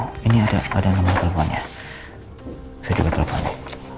oh ini ada ada nomor teleponnya saya juga teleponnya